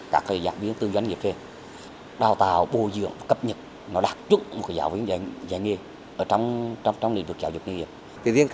các giảng viên có thể truyền đạt được những kiến thức nghề nào gắn về thực tiện